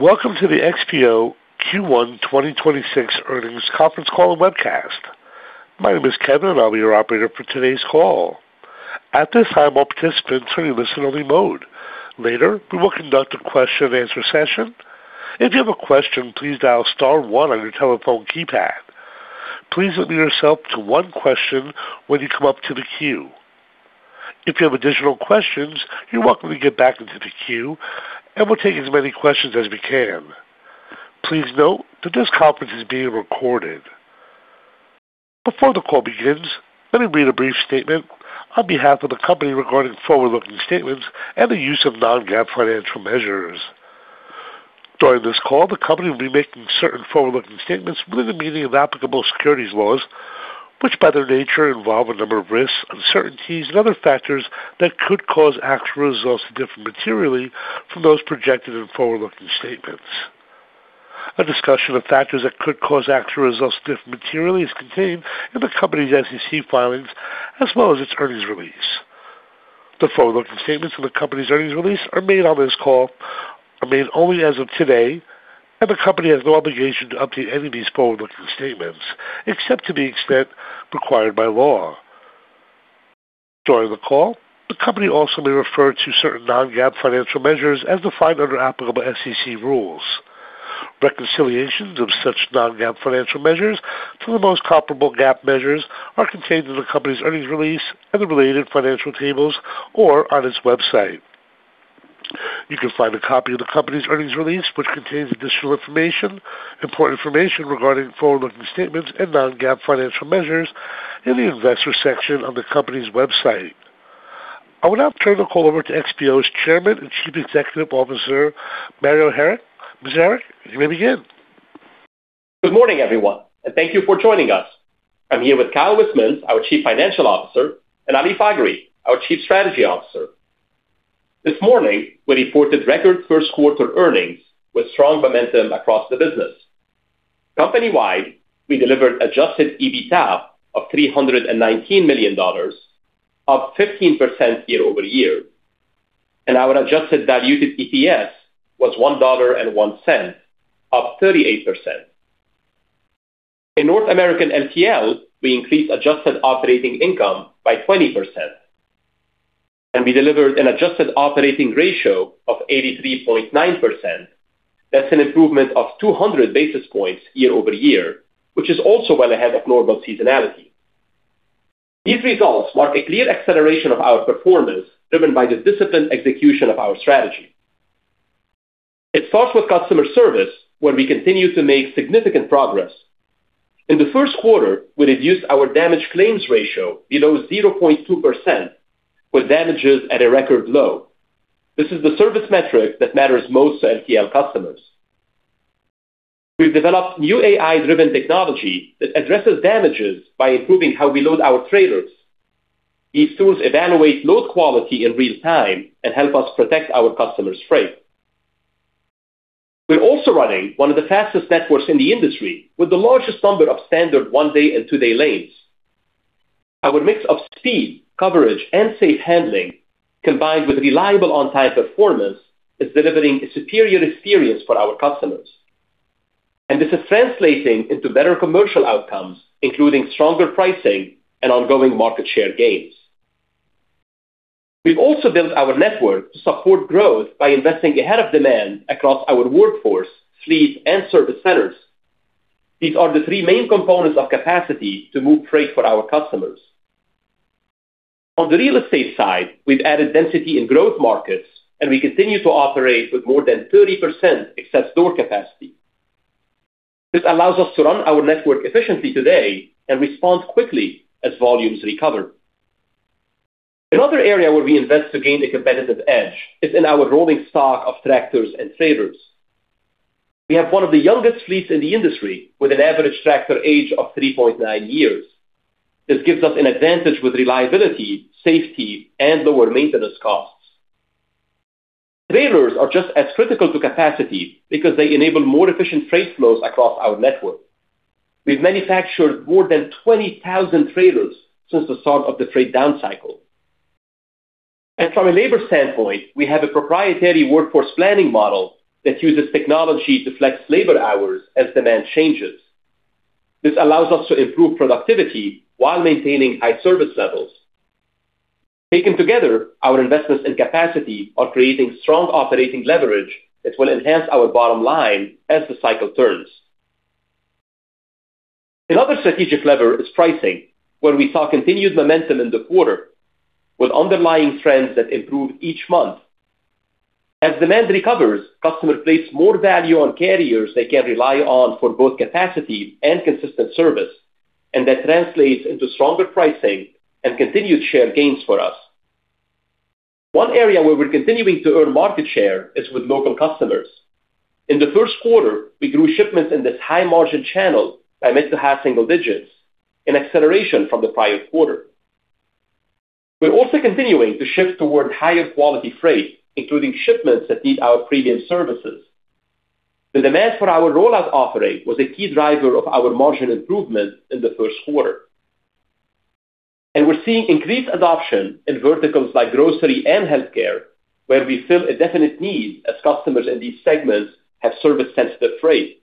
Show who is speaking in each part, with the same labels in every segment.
Speaker 1: Welcome to the XPO Q1 2026 earnings conference call and webcast. My name is Kevin, and I'll be your operator for today's call. At this time, all participants are in listen only mode. Later, we will conduct a question and answer session. If you have a question, please dial star one on your telephone keypad. Please limit yourself to one question when you come up to the queue. If you have additional questions, you're welcome to get back into the queue, and we'll take as many questions as we can. Please note that this conference is being recorded. Before the call begins, let me read a brief statement on behalf of the company regarding forward-looking statements and the use of non-GAAP financial measures. During this call, the company will be making certain forward-looking statements within the meaning of applicable securities laws, which, by their nature, involve a number of risks, uncertainties and other factors that could cause actual results to differ materially from those projected in forward-looking statements. A discussion of factors that could cause actual results to differ materially is contained in the company's SEC filings as well as its earnings release. The forward-looking statements in the company's earnings release are made on this call only as of today, and the company has no obligation to update any of these forward-looking statements except to the extent required by law. During the call, the company also may refer to certain non-GAAP financial measures as defined under applicable SEC rules. Reconciliations of such non-GAAP financial measures to the most comparable GAAP measures are contained in the company's earnings release and the related financial tables or on its website. You can find a copy of the company's earnings release, which contains additional information, important information regarding forward-looking statements and non-GAAP financial measures in the investor section on the company's website. I will now turn the call over to XPO's Chairman and Chief Executive Officer, Mario Harik. Mr. Harik, you may begin.
Speaker 2: Good morning, everyone, and thank you for joining us. I'm here with Kyle Wismans, our Chief Financial Officer, and Ali Faghri, our Chief Strategy Officer. This morning, we reported record first quarter earnings with strong momentum across the business. Company-wide, we delivered adjusted EBITDA of $319 million, up 13% year-over-year. Our adjusted diluted EPS was $1.01, up 38%. In North American LTL, we increased adjusted operating income by 20%, we delivered an adjusted operating ratio of 83.9%. That's an improvement of 200 basis points year-over-year, which is also well ahead of normal seasonality. These results mark a clear acceleration of our performance, driven by the disciplined execution of our strategy. It starts with customer service, where we continue to make significant progress. In the first quarter, we reduced our damage claims ratio below 0.2%, with damages at a record low. This is the service metric that matters most to LTL customers. We've developed new AI-driven technology that addresses damages by improving how we load our trailers. These tools evaluate load quality in real time and help us protect our customers' freight. We're also running one of the fastest networks in the industry with the largest number of standard one-day and two-day lanes. Our mix of speed, coverage, and safe handling, combined with reliable on-time performance, is delivering a superior experience for our customers, and this is translating into better commercial outcomes, including stronger pricing and ongoing market share gains. We've also built our network to support growth by investing ahead of demand across our workforce, fleet, and service centers. These are the three main components of capacity to move freight for our customers. On the real estate side, we've added density in growth markets, and we continue to operate with more than 30% excess door capacity. This allows us to run our network efficiently today and respond quickly as volumes recover. Another area where we invest to gain a competitive edge is in our rolling stock of tractors and trailers. We have one of the youngest fleets in the industry with an average tractor age of 3.9 years. This gives us an advantage with reliability, safety, and lower maintenance costs. Trailers are just as critical to capacity because they enable more efficient trade flows across our network. We've manufactured more than 20,000 trailers since the start of the freight down cycle. From a labor standpoint, we have a proprietary workforce planning model that uses technology to flex labor hours as demand changes. This allows us to improve productivity while maintaining high service levels. Taken together, our investments in capacity are creating strong operating leverage that will enhance our bottom line as the cycle turns. Another strategic lever is pricing, where we saw continued momentum in the quarter with underlying trends that improve each month. As demand recovers, customers place more value on carriers they can rely on for both capacity and consistent service, and that translates into stronger pricing and continued share gains for us. One area where we're continuing to earn market share is with local customers. In the first quarter, we grew shipments in this high margin channel by mid to high single digits, an acceleration from the prior quarter. We're also continuing to shift toward higher quality freight, including shipments that need our premium services. The demand for our Rollout Service was a key driver of our margin improvement in the first quarter. We're seeing increased adoption in verticals like grocery and healthcare, where we fill a definite need as customers in these segments have service-sensitive freight.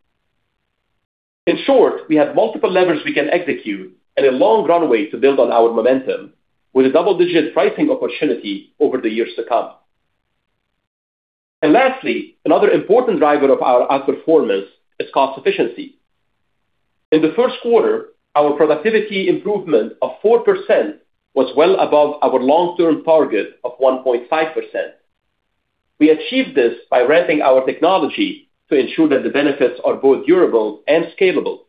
Speaker 2: In short, we have multiple levers we can execute and a long runway to build on our momentum with a double-digit pricing opportunity over the years to come. Lastly, another important driver of our outperformance is cost efficiency. In the first quarter, our productivity improvement of 4% was well above our long-term target of 1.5%. We achieved this by ramping our technology to ensure that the benefits are both durable and scalable.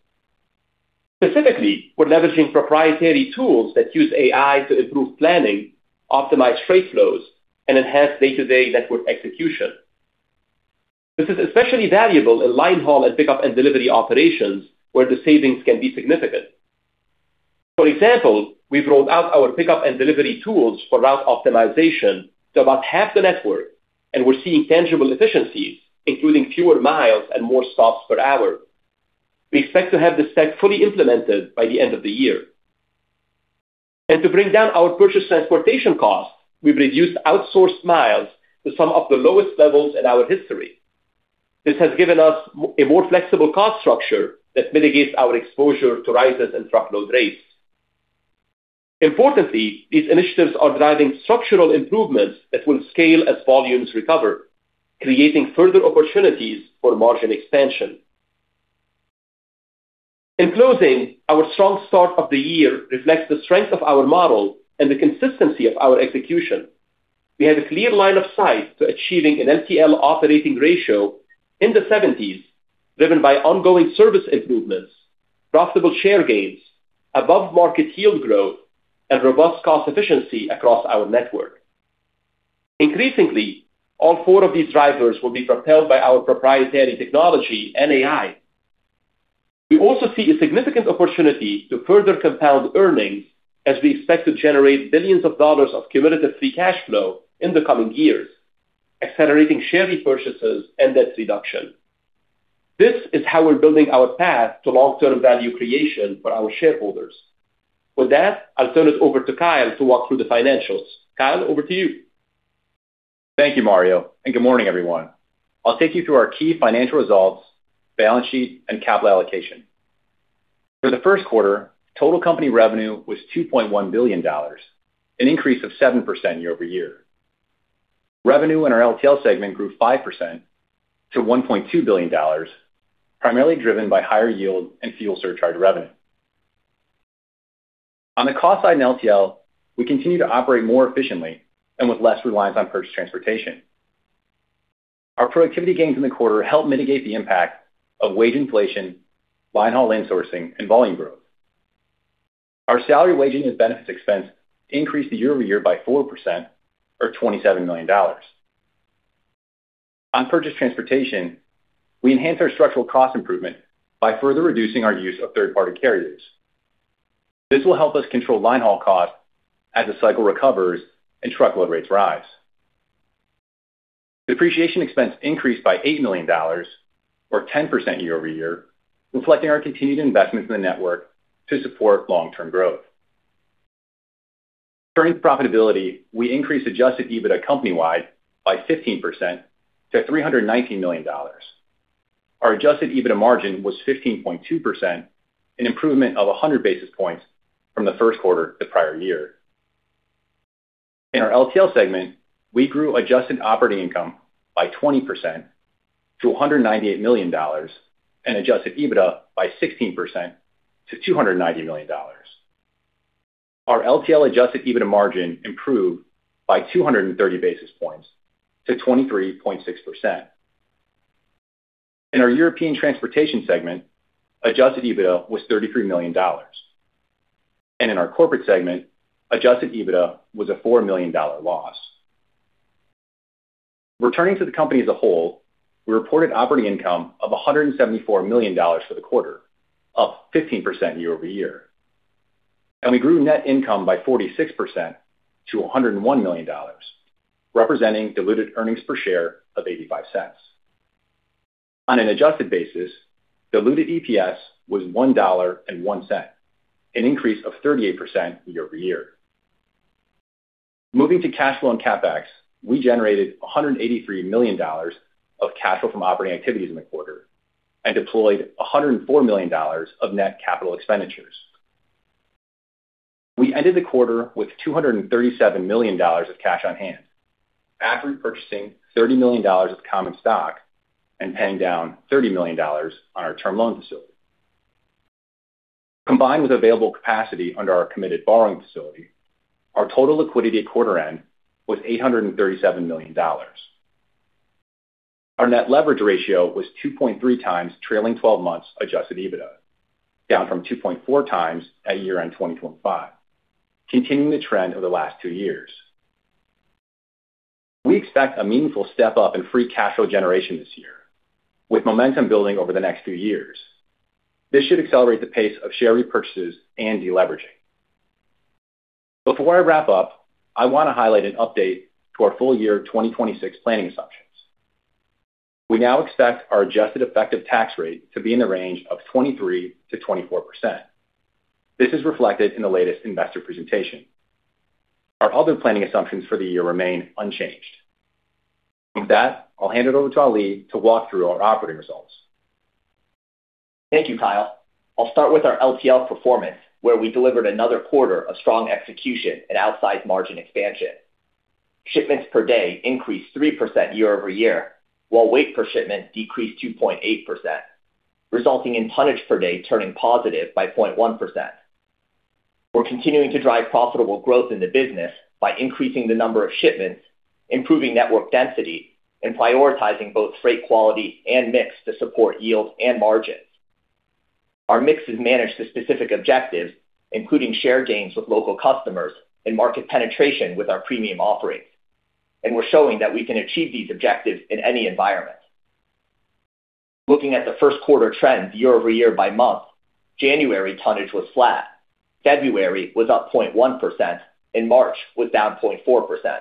Speaker 2: Specifically, we're leveraging proprietary tools that use AI to improve planning, optimize freight flows, and enhance day-to-day network execution. This is especially valuable in line haul and pickup and delivery operations where the savings can be significant. For example, we've rolled out our pickup and delivery tools for route optimization to about half the network, and we're seeing tangible efficiencies, including fewer miles and more stops per hour. We expect to have this tech fully implemented by the end of the year. To bring down our purchase transportation costs, we've reduced outsourced miles to some of the lowest levels in our history. This has given us a more flexible cost structure that mitigates our exposure to rises in truckload rates. Importantly, these initiatives are driving structural improvements that will scale as volumes recover, creating further opportunities for margin expansion. In closing, our strong start of the year reflects the strength of our model and the consistency of our execution. We have a clear line of sight to achieving an LTL operating ratio in the 70s, driven by ongoing service improvements, profitable share gains, above market yield growth, and robust cost efficiency across our network. Increasingly, all four of these drivers will be propelled by our proprietary technology and AI. We also see a significant opportunity to further compound earnings as we expect to generate billions of dollars of cumulative free cash flow in the coming years, accelerating share repurchases and debt reduction. This is how we're building our path to long-term value creation for our shareholders. With that, I'll turn it over to Kyle to walk through the financials. Kyle, over to you.
Speaker 3: Thank you, Mario. Good morning, everyone. I'll take you through our key financial results, balance sheet, and capital allocation. For the first quarter, total company revenue was $2.1 billion, an increase of 7% year-over-year. Revenue in our LTL segment grew 5% to $1.2 billion, primarily driven by higher yield and fuel surcharge revenue. On the cost side in LTL, we continue to operate more efficiently and with less reliance on purchased transportation. Our productivity gains in the quarter help mitigate the impact of wage inflation, line haul insourcing, and volume growth. Our salary, wages, and benefits expense increased year-over-year by 4% or $27 million. On purchased transportation, we enhanced our structural cost improvement by further reducing our use of third-party carriers. This will help us control line haul costs as the cycle recovers and truckload rates rise. Depreciation expense increased by $80 million or 10% year-over-year, reflecting our continued investments in the network to support long-term growth. Turning to profitability, we increased adjusted EBITDA company-wide by 15% to $319 million. Our adjusted EBITDA margin was 15.2%, an improvement of 100 basis points from the first quarter the prior year. In our LTL segment, we grew adjusted operating income by 20% to $198 million and adjusted EBITDA by 16% to $290 million. Our LTL adjusted EBITDA margin improved by 230 basis points to 23.6%. In our European transportation segment, adjusted EBITDA was $33 million. In our corporate segment, adjusted EBITDA was a $4 million loss. Returning to the company as a whole, we reported operating income of $174 million for the quarter, up 15% year-over-year. We grew net income by 46% to $101 million, representing diluted earnings per share of $0.85. On an adjusted basis, diluted EPS was $1.01, an increase of 38% year-over-year. Moving to cash flow and CapEx, we generated $183 million of cash flow from operating activities in the quarter and deployed $104 million of net capital expenditures. We ended the quarter with $237 million of cash on hand after repurchasing $30 million of common stock and paying down $30 million on our term loan facility. Combined with available capacity under our committed borrowing facility, our total liquidity at quarter end was $837 million. Our net leverage ratio was 2.3x trailing twelve months adjusted EBITDA, down from 2.4x at year-end 2025, continuing the trend over the last two years. We expect a meaningful step-up in free cash flow generation this year, with momentum building over the next few years. This should accelerate the pace of share repurchases and deleveraging. Before I wrap up, I want to highlight an update to our full year 2026 planning assumptions. We now expect our adjusted effective tax rate to be in the range of 23%-24%. This is reflected in the latest investor presentation. Our other planning assumptions for the year remain unchanged. With that, I'll hand it over to Ali to walk through our operating results.
Speaker 4: Thank you, Kyle. I'll start with our LTL performance, where we delivered another quarter of strong execution and outsized margin expansion. Shipments per day increased 3% year-over-year, while weight per shipment decreased 2.8%, resulting in tonnage per day turning positive by 0.1%. We're continuing to drive profitable growth in the business by increasing the number of shipments, improving network density, and prioritizing both freight quality and mix to support yield and margins. Our mix has managed the specific objectives, including share gains with local customers and market penetration with our premium offerings, and we're showing that we can achieve these objectives in any environment. Looking at the first quarter trends year-over-year by month, January tonnage was flat, February was up 0.1%, and March was down 0.4%.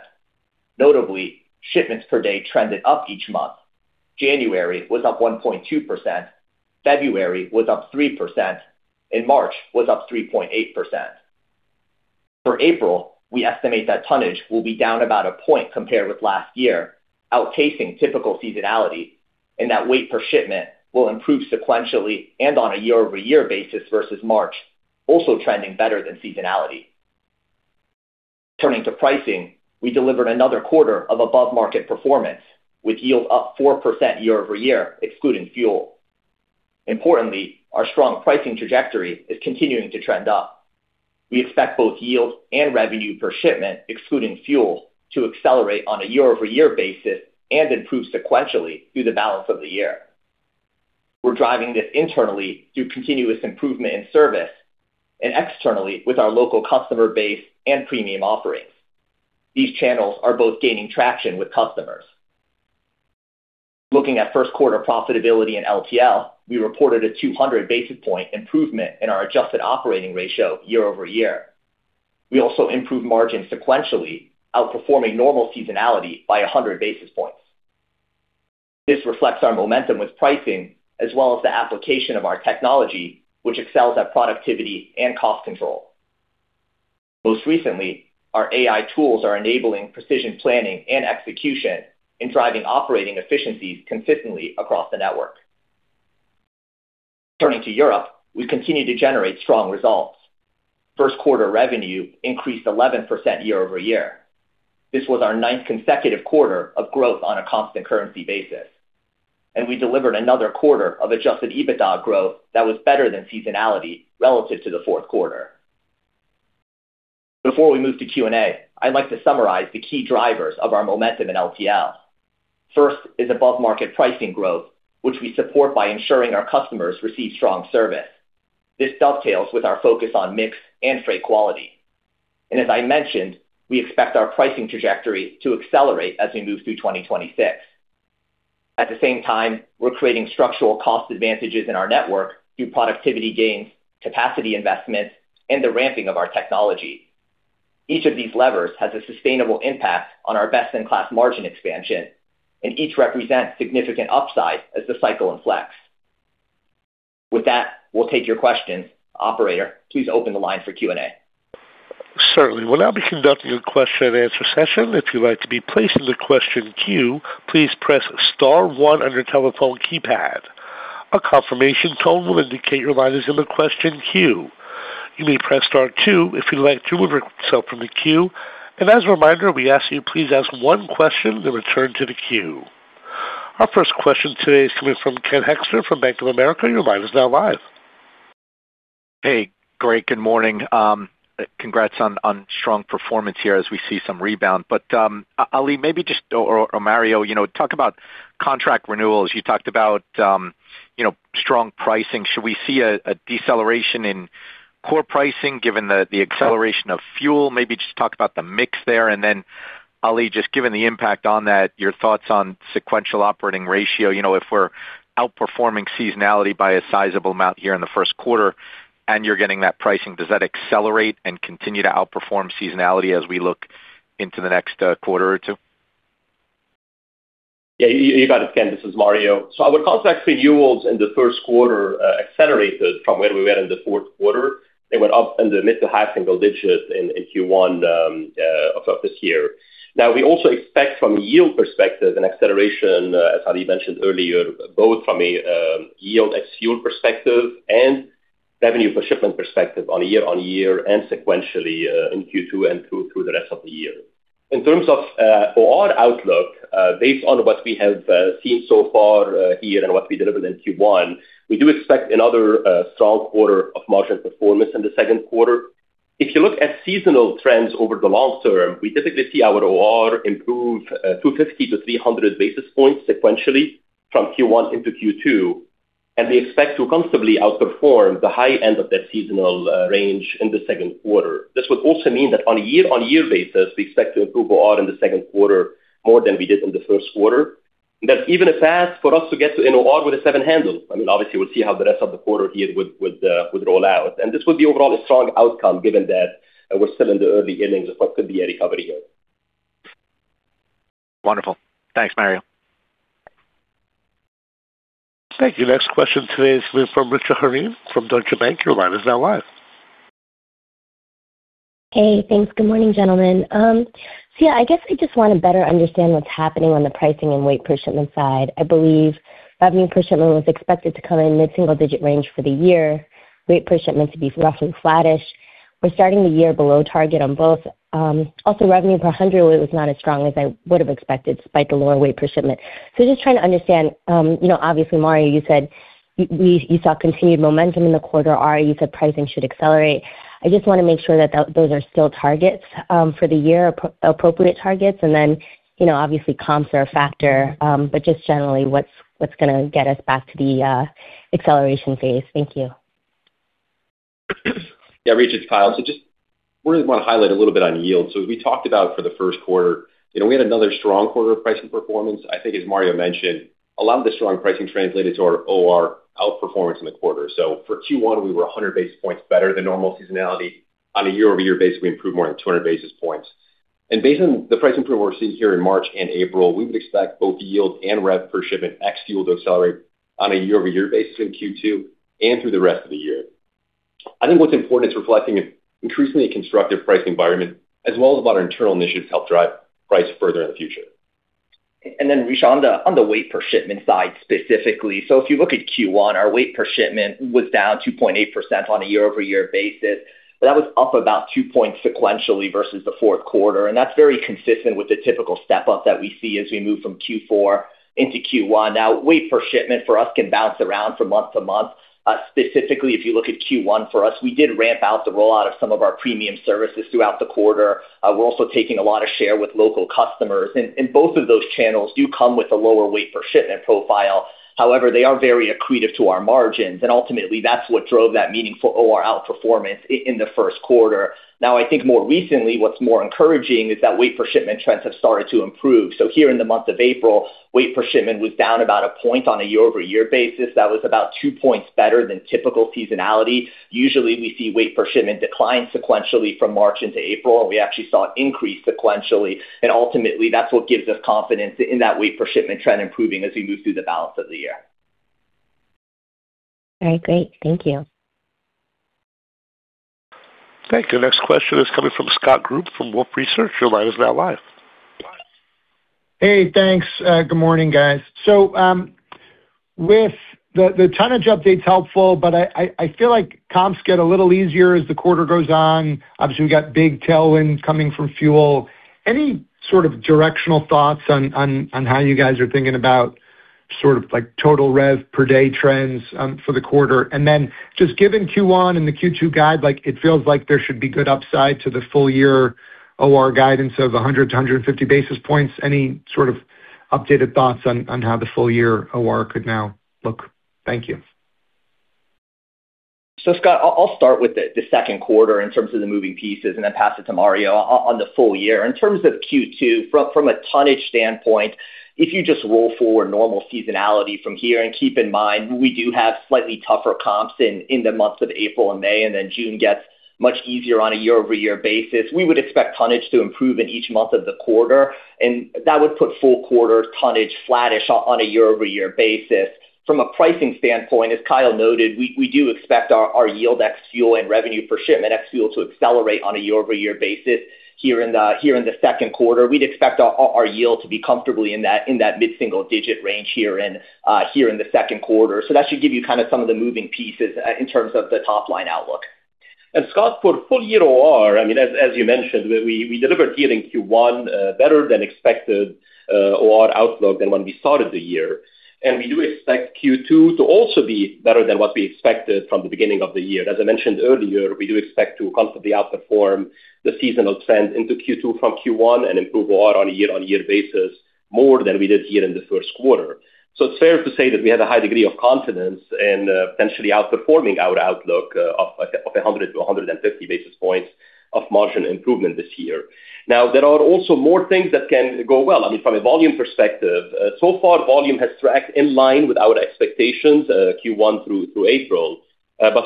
Speaker 4: Notably, shipments per day trended up each month. January was up 1.2%, February was up 3%, March was up 3.8%. For April, we estimate that tonnage will be down about 1 point compared with last year, outpacing typical seasonality, weight per shipment will improve sequentially and on a year-over-year basis versus March, also trending better than seasonality. Turning to pricing, we delivered another quarter of above-market performance, with yield up 4% year-over-year, excluding fuel. Importantly, our strong pricing trajectory is continuing to trend up. We expect both yield and revenue per shipment, excluding fuel, to accelerate on a year-over-year basis and improve sequentially through the balance of the year. We're driving this internally through continuous improvement in service and externally with our local customer base and premium offerings. These channels are both gaining traction with customers. Looking at first quarter profitability in LTL, we reported a 200 basis point improvement in our adjusted operating ratio year-over-year. We also improved margins sequentially, outperforming normal seasonality by 100 basis points. This reflects our momentum with pricing, as well as the application of our technology, which excels at productivity and cost control. Most recently, our AI tools are enabling precision planning and execution and driving operating efficiencies consistently across the network. Turning to Europe, we continue to generate strong results. First quarter revenue increased 11% year-over-year. This was our ninth consecutive quarter of growth on a constant currency basis. We delivered another quarter of adjusted EBITDA growth that was better than seasonality relative to the fourth quarter. Before we move to Q&A, I'd like to summarize the key drivers of our momentum in LTL. First is above-market pricing growth, which we support by ensuring our customers receive strong service. This dovetails with our focus on mix and freight quality. As I mentioned, we expect our pricing trajectory to accelerate as we move through 2026. At the same time, we're creating structural cost advantages in our network through productivity gains, capacity investments, and the ramping of our technology. Each of these levers has a sustainable impact on our best-in-class margin expansion, and each represents significant upside as the cycle inflects. With that, we'll take your questions. Operator, please open the line for Q&A.
Speaker 1: Certainly, we will be now conducting a question and answer session. If you like to be press the question queue. Please press star one and the telephone keypad. Our confirmation tone will indicate their is a question queu. You may press star two if you want to reset from the queue. And as a reminder we ask to please ask one question and then return to the queue. Our first question today is coming from Ken Hoexter from Bank of America. Your line is now live.
Speaker 5: Hey, great. Good morning. Congrats on strong performance here as we see some rebound. Ali, maybe or Mario, you know, talk about contract renewals. You talked about, you know, strong pricing. Should we see a deceleration in core pricing given the acceleration of fuel? Maybe just talk about the mix there. Ali, just given the impact on that, your thoughts on sequential operating ratio. You know, if we're outperforming seasonality by a sizable amount here in the first quarter and you're getting that pricing, does that accelerate and continue to outperform seasonality as we look into the next quarter or two?
Speaker 2: Yeah, you got it, Ken. This is Mario. Our contract renewals in the first quarter accelerated from where we were in the fourth quarter. They went up in the mid to high single digits in Q1 of this year. We also expect from a yield perspective an acceleration, as Ali mentioned earlier, both from a yield ex-fuel perspective and revenue per shipment perspective on a year-over-year and sequentially in Q2 and through the rest of the year. In terms of OR outlook, based on what we have seen so far here and what we delivered in Q1, we do expect another strong quarter of margin performance in the second quarter. If you look at seasonal trends over the long term, we typically see our OR improve 250 basis pointst-300 basis points sequentially from Q1 into Q2, and we expect to comfortably outperform the high end of that seasonal range in the second quarter. This would also mean that on a year-on-year basis, we expect to improve OR in the second quarter more than we did in the first quarter. That's even a path for us to get to an OR with a seven handle. I mean, obviously, we'll see how the rest of the quarter here would roll out. This would be overall a strong outcome given that we're still in the early innings of what could be a recovery year.
Speaker 5: Wonderful. Thanks, Mario.
Speaker 1: Thank you. Next question today is from Amit Mehrotra from Deutsche Bank. Your line is now live.
Speaker 6: Hey, thanks. Good morning, gentlemen. Yeah, I guess I just want to better understand what's happening on the pricing and weight per shipment side. I believe revenue per shipment was expected to come in mid-single-digit range for the year. Weight per shipment to be roughly flattish. We're starting the year below target on both. Also revenue per hundredweight was not as strong as I would have expected despite the lower weight per shipment. Just trying to understand, you know, obviously, Mario, you said you saw continued momentum in the quarter. Ali, you said pricing should accelerate. I just wanna make sure that those are still targets for the year, appropriate targets. You know, obviously comps are a factor, but just generally what's gonna get us back to the acceleration phase. Thank you.
Speaker 3: Yeah, Amit, it's Kyle. Just really want to highlight a little bit on yield. As we talked about for the first quarter, you know, we had another strong quarter of pricing performance. As Mario mentioned, a lot of the strong pricing translated to our OR outperformance in the quarter. For Q1, we were 100 basis points better than normal seasonality. On a year-over-year basis, we improved more than 200 basis points. Based on the pricing improvement we're seeing here in March and April, we would expect both yield and revenue per shipment ex-fuel to accelerate on a year-over-year basis in Q2 and through the rest of the year. What's important is reflecting an increasingly constructive pricing environment as well as about our internal initiatives to help drive price further in the future.
Speaker 4: Mehrotra, on the weight per shipment side specifically. If you look at Q1, our weight per shipment was down 2.8% on a year-over-year basis, but that was up about 2 points sequentially versus the fourth quarter, and that's very consistent with the typical step-up that we see as we move from Q4 into Q1. Weight per shipment for us can bounce around from month-to-month. Specifically, if you look at Q1 for us, we did ramp out the rollout of some of our premium services throughout the quarter. We're also taking a lot of share with local customers. Both of those channels do come with a lower weight per shipment profile. They are very accretive to our margins, and ultimately, that's what drove that meaningful OR outperformance in the first quarter. I think more recently, what's more encouraging is that weight per shipment trends have started to improve. Here in the month of April, weight per shipment was down about a point on a year-over-year basis. That was about 2 points better than typical seasonality. Usually, we see weight per shipment decline sequentially from March into April, and we actually saw it increase sequentially. Ultimately, that's what gives us confidence in that weight per shipment trend improving as we move through the balance of the year.
Speaker 6: All right, great. Thank you.
Speaker 1: Thank you. Next question is coming from Scott Group from Wolfe Research. Your line is now live.
Speaker 7: Hey, thanks. Good morning, guys. With the tonnage update's helpful, but I feel like comps get a little easier as the quarter goes on. Obviously, we got big tailwinds coming from fuel. Any sort of directional thoughts on how you guys are thinking about like total rev per day trends for the quarter? Given Q1 and the Q2 guide, like it feels like there should be good upside to the full year OR guidance of 100 basis points-150 basis points. Any sort of updated thoughts on how the full year OR could now look? Thank you.
Speaker 4: Scott, I'll start with the second quarter in terms of the moving pieces and then pass it to Mario on the full year. In terms of Q2, from a tonnage standpoint, if you just roll forward normal seasonality from here, and keep in mind we do have slightly tougher comps in the months of April and May, and then June gets much easier on a year-over-year basis, we would expect tonnage to improve in each month of the quarter, and that would put full quarter tonnage flattish on a year-over-year basis. From a pricing standpoint, as Kyle noted, we do expect our yield ex-fuel and revenue per shipment ex-fuel to accelerate on a year-over-year basis here in the second quarter. We'd expect our yield to be comfortably in that mid-single digit range here in the second quarter. That should give you kind of some of the moving pieces in terms of the top-line outlook.
Speaker 2: Scott, for full year OR, I mean, as you mentioned, we delivered here in Q1, better than expected OR outlook than when we started the year. We do expect Q2 to also be better than what we expected from the beginning of the year. As I mentioned earlier, we do expect to constantly outperform the seasonal trend into Q2 from Q1 and improve OR on a year-on-year basis more than we did here in the first quarter. It's fair to say that we have a high degree of confidence in potentially outperforming our outlook of a 100 basis points-150 basis points of margin improvement this year. There are also more things that can go well. I mean, from a volume perspective, so far volume has tracked in line with our expectations, Q1 through April.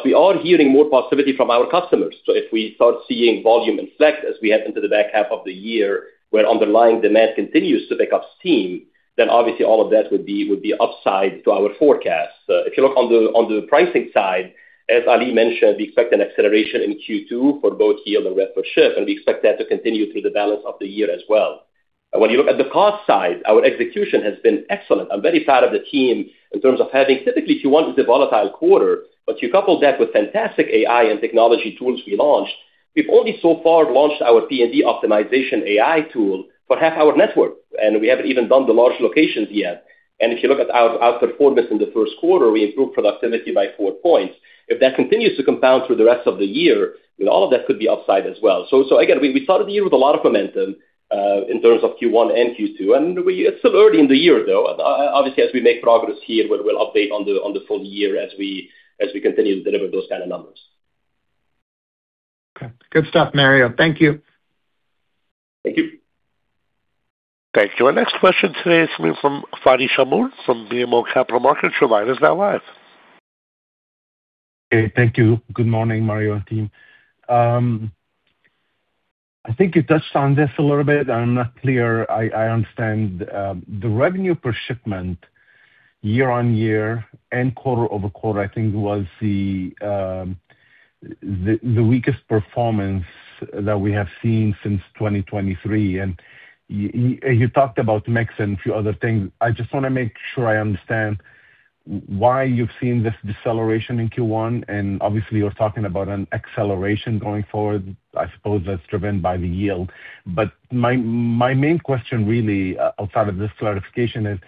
Speaker 2: We are hearing more positivity from our customers. If we start seeing volume inflect as we head into the back half of the year, where underlying demand continues to pick up steam, then obviously all of that would be upside to our forecast. If you look on the pricing side, as Ali mentioned, we expect an acceleration in Q2 for both yield and rev per ship, and we expect that to continue through the balance of the year as well. When you look at the cost side, our execution has been excellent. I'm very proud of the team in terms of typically Q1 is a volatile quarter, but you couple that with fantastic AI and technology tools we launched. We've only so far launched our P&D optimization AI tool for half our network, and we haven't even done the large locations yet. If you look at our performance in the first quarter, we improved productivity by 4 points. If that continues to compound through the rest of the year, then all of that could be upside as well. So again, we started the year with a lot of momentum in terms of Q1 and Q2. It's still early in the year, though. Obviously, as we make progress here, we'll update on the full year as we continue to deliver those kind of numbers.
Speaker 7: Okay. Good stuff, Mario. Thank you.
Speaker 2: Thank you.
Speaker 1: Thank you. Our next question today is coming from Fadi Chamoun from BMO Capital Markets. Your line is now live.
Speaker 8: Okay, thank you. Good morning, Mario and team. I think you touched on this a little bit. I'm not clear. I understand the revenue per shipment year-on-year and quarter-over-quarter, I think was the weakest performance that we have seen since 2023. You talked about mix and a few other things. I just wanna make sure I understand why you've seen this deceleration in Q1, and obviously you're talking about an acceleration going forward. I suppose that's driven by the yield. My main question really, outside of this clarification is,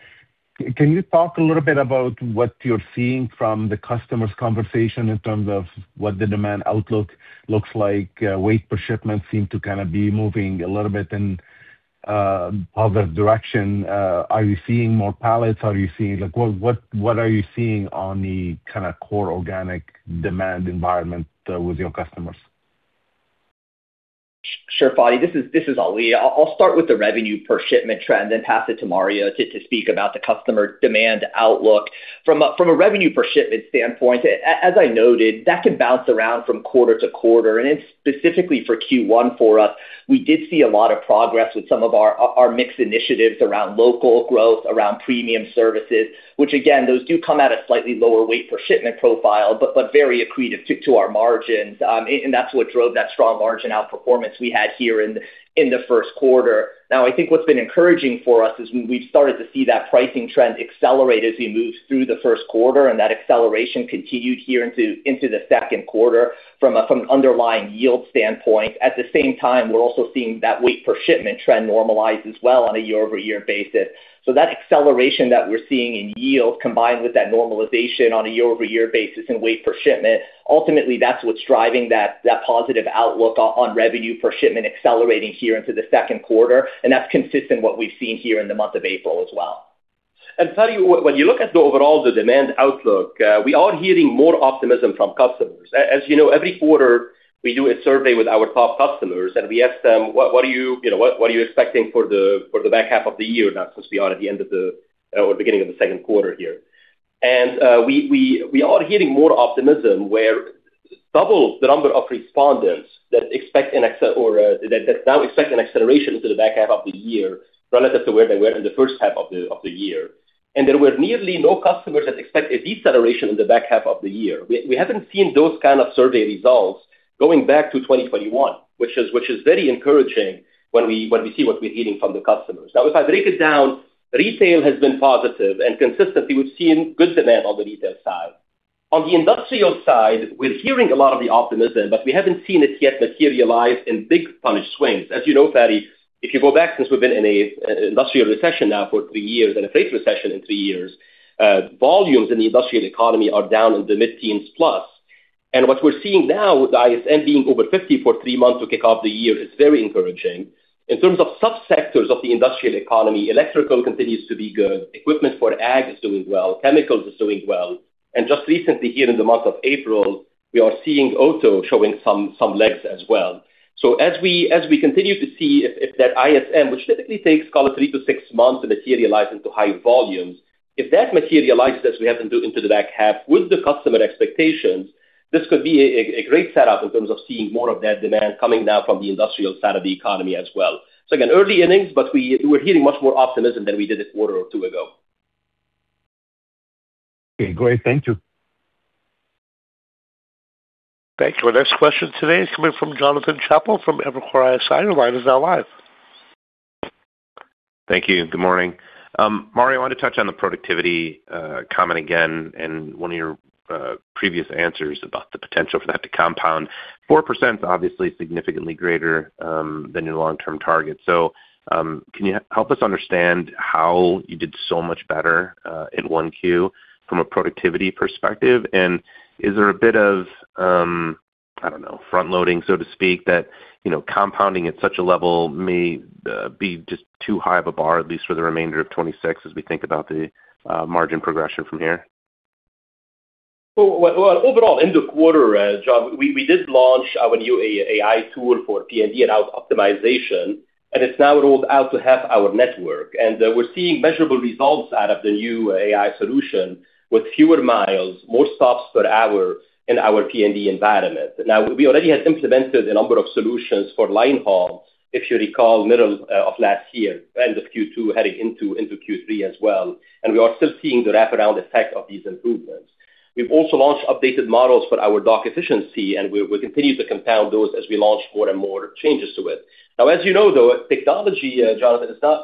Speaker 8: can you talk a little bit about what you're seeing from the customer's conversation in terms of what the demand outlook looks like? Weight per shipment seem to kinda be moving a little bit in other direction. Are you seeing more pallets? Like, what are you seeing on the kinda core organic demand environment with your customers?
Speaker 4: Sure, Fadi. This is Ali. I'll start with the revenue per shipment trend, then pass it to Mario to speak about the customer demand outlook. From a revenue per shipment standpoint, as I noted, that can bounce around from quarter to quarter. Specifically for Q1 for us, we did see a lot of progress with some of our mix initiatives around local growth, around premium services, which again, those do come at a slightly lower weight per shipment profile, but very accretive to our margins. That's what drove that strong margin outperformance we had here in the first quarter. I think what's been encouraging for us is we've started to see that pricing trend accelerate as we move through the first quarter, and that acceleration continued here into the second quarter from an underlying yield standpoint. At the same time, we're also seeing that weight per shipment trend normalize as well on a year-over-year basis. That acceleration that we're seeing in yield combined with that normalization on a year-over-year basis and weight per shipment, ultimately, that's what's driving that positive outlook on revenue per shipment accelerating here into the second quarter, and that's consistent what we've seen here in the month of April as well.
Speaker 2: Fadi, when you look at the overall the demand outlook, we are hearing more optimism from customers. As you know, every quarter we do a survey with our top customers, and we ask them, "What are you know, what are you expecting for the back half of the year?" Now, since we are at the end of the or beginning of the second quarter here. We are hearing more optimism where double the number of respondents that expect an or that now expect an acceleration into the back half of the year relative to where they were in the first half of the year. There were nearly no customers that expect a deceleration in the back half of the year. We haven't seen those kind of survey results going back to 2021, which is very encouraging when we see what we're hearing from the customers. If I break it down, retail has been positive, and consistently we've seen good demand on the retail side. On the industrial side, we're hearing a lot of the optimism, but we haven't seen it yet materialize in big tonnage swings. As you know, Fadi, if you go back since we've been in an industrial recession now for three years and a freight recession in three years, volumes in the industrial economy are down in the mid-teens plus. What we're seeing now with ISM being over 50 for three months to kick off the year is very encouraging. In terms of subsectors of the industrial economy, electrical continues to be good. Equipment for ag is doing well. Chemicals is doing well. Just recently here in the month of April, we are seeing auto showing some legs as well. As we continue to see if that ISM, which typically takes call it three to six months to materialize into high volumes, if that materializes we have into the back half with the customer expectations, this could be a great setup in terms of seeing more of that demand coming now from the industrial side of the economy as well. Again, early innings, but we're hearing much more optimism than we did a quarter or two ago.
Speaker 8: Okay, great. Thank you.
Speaker 1: Thank you. Our next question today is coming from Jonathan Chappell from Evercore ISI. Your line is now live.
Speaker 9: Thank you. Good morning. Mario, I want to touch on the productivity comment again in one of your previous answers about the potential for that to compound. 4% obviously significantly greater than your long-term target. Can you help us understand how you did so much better in 1Q from a productivity perspective? Is there a bit of, I don't know, front-loading, so to speak, that, you know, compounding at such a level may be just too high of a bar, at least for the remainder of 2026 as we think about the margin progression from here?
Speaker 2: Well, overall, in the quarter, Jon, we did launch our new AI tool for P&D and route optimization. It's now rolled out to half our network. We're seeing measurable results out of the new AI solution with fewer miles, more stops per hour in our P&D environment. Now, we already had implemented a number of solutions for line haul, if you recall, middle of last year, end of Q2 heading into Q3 as well. We are still seeing the wraparound effect of these improvements. We've also launched updated models for our dock efficiency. We continue to compound those as we launch more and more changes to it. Now, as you know, though, technology, Jon, is not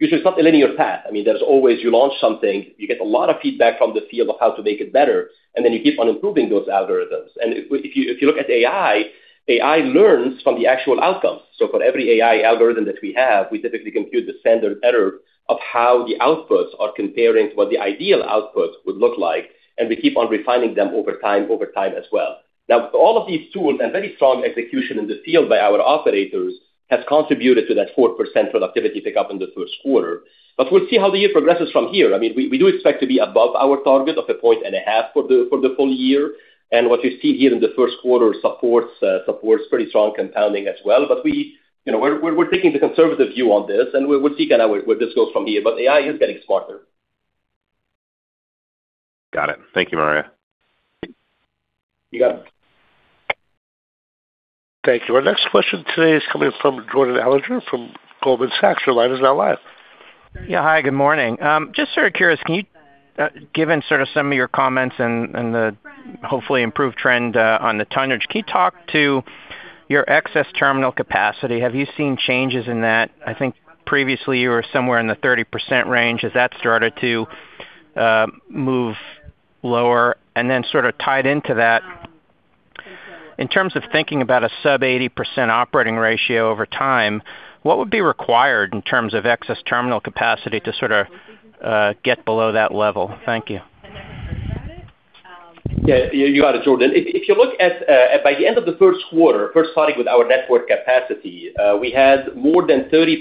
Speaker 2: usually it's not a linear path. I mean, there's always you launch something, you get a lot of feedback from the field of how to make it better, and then you keep on improving those algorithms. If you look at AI learns from the actual outcomes. For every AI algorithm that we have, we typically compute the standard error of how the outputs are comparing to what the ideal outputs would look like, and we keep on refining them over time as well. Now, all of these tools and very strong execution in the field by our operators has contributed to that 4% productivity pickup in the first quarter. We'll see how the year progresses from here. I mean, we do expect to be above our target of a point and a half for the full year. What we've seen here in the 1st quarter supports pretty strong compounding as well. We, you know, we're taking the conservative view on this, and we'll see kind of where this goes from here. AI is getting smarter.
Speaker 9: Got it. Thank you, Mario.
Speaker 2: You got it.
Speaker 1: Thank you. Our next question today is coming from Jordan Alliger from Goldman Sachs. Your line is now live.
Speaker 10: Yeah. Hi, good morning. Just sort of curious, can you, given sort of some of your comments and the hopefully improved trend, on the tonnage, can you talk to your excess terminal capacity? Have you seen changes in that? I think previously you were somewhere in the 30% range. Has that started to move lower? Then sort of tied into that, in terms of thinking about a sub 80% operating ratio over time, what would be required in terms of excess terminal capacity to sort of, get below that level? Thank you.
Speaker 2: Yeah, you got it, Jordan. If you look at, by the end of the first quarter, first starting with our network capacity, we had more than 30%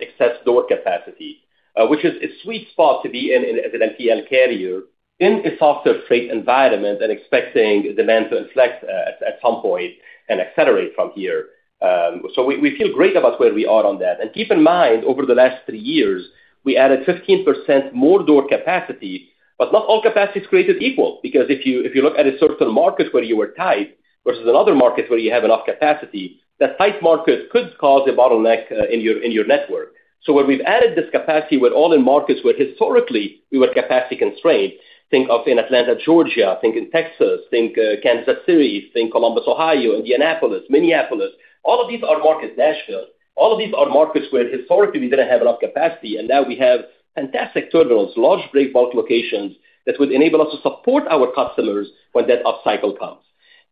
Speaker 2: excess door capacity, which is a sweet spot to be in, as an LTL carrier in a softer freight environment and expecting demand to inflect at some point and accelerate from here. We feel great about where we are on that. Keep in mind, over the last three years, we added 15% more door capacity, not all capacity is created equal because if you look at a certain market where you were tight versus another market where you have enough capacity, that tight market could cause a bottleneck in your network. Where we've added this capacity, we're all in markets where historically we were capacity constrained. Think of in Atlanta, Georgia, think in Texas, think Kansas City, think Columbus, Ohio, Indianapolis, Minneapolis. All of these are markets, Nashville. All of these are markets where historically we didn't have enough capacity, and now we have fantastic terminals, large bulk locations that would enable us to support our customers when that upcycle comes.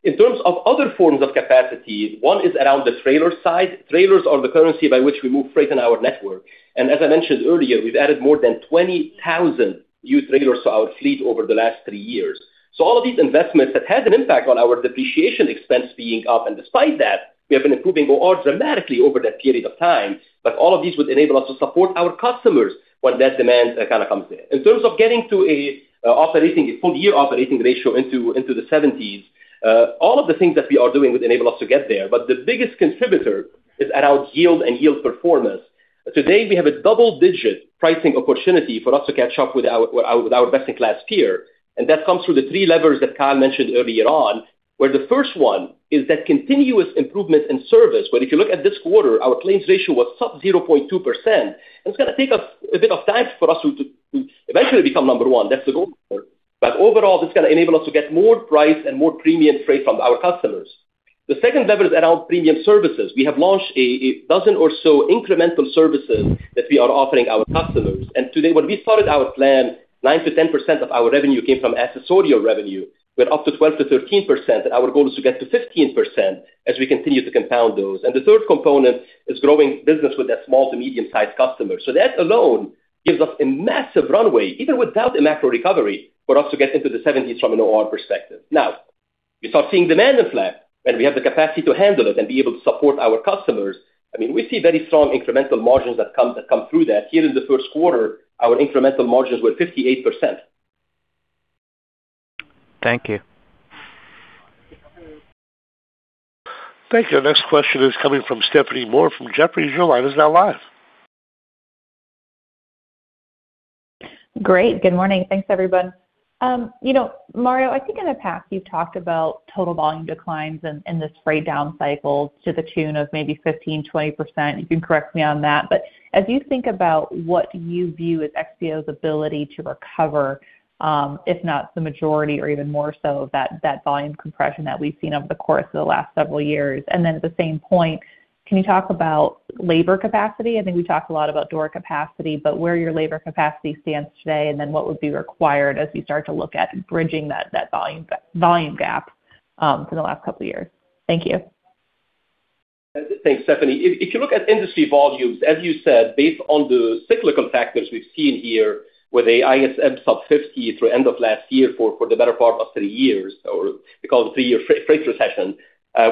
Speaker 2: In terms of other forms of capacity, one is around the trailer side. Trailers are the currency by which we move freight in our network. As I mentioned earlier, we've added more than 20,000 used trailers to our fleet over the last three years. All of these investments that had an impact on our depreciation expense being up, and despite that, we have been improving our ORs dramatically over that period of time. All of these would enable us to support our customers when that demand kind of comes in. In terms of getting to a full year operating ratio into the 70s, all of the things that we are doing would enable us to get there. The biggest contributor is around yield and yield performance. Today, we have a double-digit pricing opportunity for us to catch up with our best in class peer. That comes through the three levers that Kyle mentioned earlier on, where the first one is that continuous improvement in service. If you look at this quarter, our claims ratio was sub 0.2%. It's gonna take us a bit of time for us to eventually become number one. That's the goal. Overall, this is going to enable us to get more price and more premium freight from our customers. The second lever is around premium services. We have launched a dozen or so incremental services that we are offering our customers. Today, when we started our plan, 9%-10% of our revenue came from accessorial revenue. We're up to 12%-13%, and our goal is to get to 15% as we continue to compound those. The third component is growing business with that small to medium-sized customer. That alone gives us a massive runway, even without a macro recovery, for us to get into the 70s from an OR perspective. Now, we start seeing demand and flat, and we have the capacity to handle it and be able to support our customers. I mean, we see very strong incremental margins that come through that. Here in the first quarter, our incremental margins were 58%.
Speaker 10: Thank you.
Speaker 1: Thank you. Our next question is coming from Stephanie Moore from Jefferies.
Speaker 11: Great. Good morning. Thanks, everyone. You know, Mario, I think in the past, you've talked about total volume declines and the freight down cycles to the tune of maybe 15%, 20%. You can correct me on that. As you think about what you view as XPO's ability to recover, if not the majority or even more so that volume compression that we've seen over the course of the last several years. At the same point, can you talk about labor capacity? I think we talked a lot about door capacity, where your labor capacity stands today, what would be required as you start to look at bridging that volume gap from the last couple of years. Thank you.
Speaker 2: Thanks, Stephanie. If you look at industry volumes, as you said, based on the cyclical factors we've seen here with a ISM sub 50 through end of last year for the better part of three years, or we call it three-year freight recession,